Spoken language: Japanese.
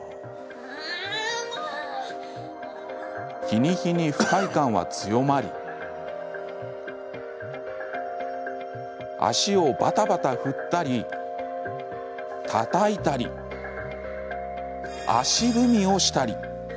日に日に不快感は強まり脚をばたばた振ったりたたいたり足踏みをしたり。